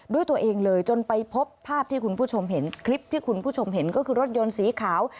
ด้วยตัวเองเลยจนไปพบภาพที่คุณผู้ชมเห็นคลิปที่คุณผู้ชมเห็นก็คือรถยนต์สีขาว